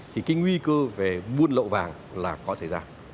thì cái nguy cơ về buôn lậu vàng là có xảy ra